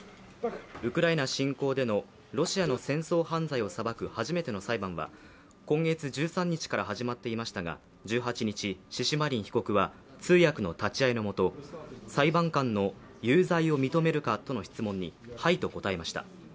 ウクライナ侵攻でのロシアの戦争犯罪を裁く初めての裁判は、今月１３日から始まっていましたが１８日、シシマリン被告は通訳の立ち合いのもと裁判官の有罪を認めるかとの質問に、はいと答えました。